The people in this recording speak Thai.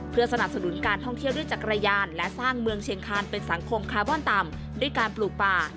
เพื่อสนับสนุนการท่องเที่ยวด้วยจักรยานและสร้างเมืองเชียงคานเป็นสังคมคาร์บอนต่ำด้วยการปลูกป่า